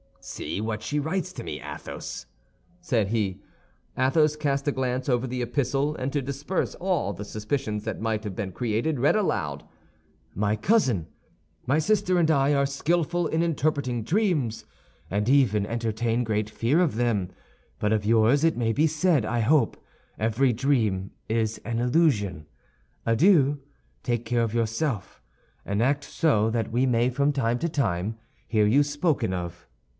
"See what she writes to me, Athos," said he. Athos cast a glance over the epistle, and to disperse all the suspicions that might have been created, read aloud: "MY COUSIN, My sister and I are skillful in interpreting dreams, and even entertain great fear of them; but of yours it may be said, I hope, every dream is an illusion. Adieu! Take care of yourself, and act so that we may from time to time hear you spoken of.